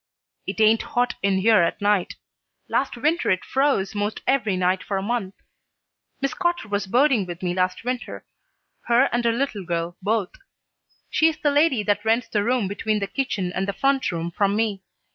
"It ain't hot in here at night. Last winter it froze 'most every night for a month. Mis' Cotter was boarding with me last winter, her and her little girl both. She's the lady what rents the room between the kitchen and the front room from me.